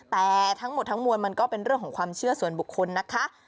แต่ทั้งหมดทั้งมวลมันก็เป็นเรื่องของความเชื่อส่วนบุคคลนะคะ